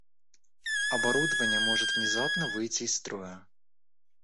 Оборудование может внезапно выйти из строя